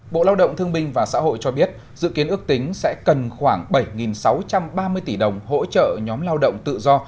bộ lao động thương binh và xã hội cho biết dự kiến ước tính sẽ cần khoảng bảy sáu trăm ba mươi tỷ đồng hỗ trợ nhóm lao động tự do